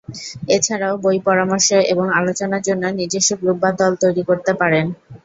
এছাড়াও বই পরামর্শ এবং আলোচনার জন্য নিজস্ব গ্রুপ বা দল তৈরি করতে পারেন।